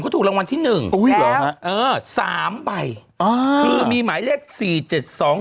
เขาถูกรางวัลที่หนึ่งอุ้ยเหรอฮะเออสามใบอ่าคือมีหมายเลขสี่เจ็ดสอง